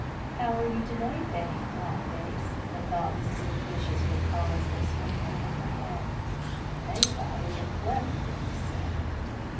"How are you to day, Fanny Flatface?" the thoughtless little fishes would call as they swam over her head. They thought it a clever thing to say.